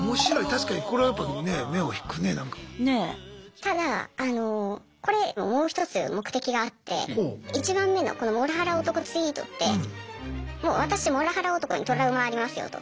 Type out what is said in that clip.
ただあのこれもう一つ目的があって１番目のこの「モラハラ男ツイート」ってもう「私モラハラ男にトラウマありますよ」と。